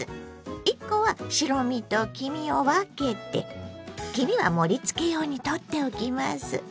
１コは白身と黄身を分けて黄身は盛りつけ用にとっておきます。